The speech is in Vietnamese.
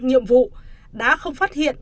nhiệm vụ đã không phát hiện